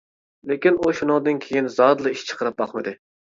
لېكىن ئۇ شۇنىڭدىن كېيىن زادىلا ئىش چىقىرىپ باقمىدى.